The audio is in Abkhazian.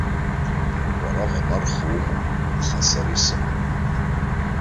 Уара ахәмарха умоуп, аха сара исымам.